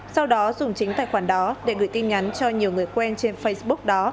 sau đó dùng chính tài khoản đó để gửi tin nhắn cho nhiều người quen trên facebook đó